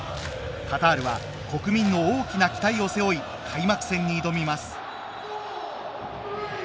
カタールは国民の大きな期待を背負い開幕戦に挑みます。